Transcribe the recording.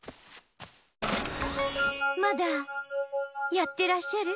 まだやってらっしゃる？